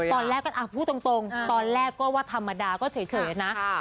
ตอนแรกก็พูดตรงตอนแรกก็ว่าธรรมดาก็เฉยนะ